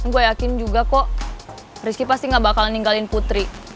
gue yakin juga kok rizky pasti gak bakal ninggalin putri